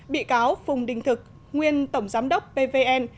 bị cáo phùng đình thực nguyên tổng giám đốc pvn